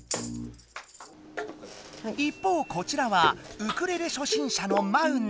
一方こちらはウクレレ初心者のマウナ。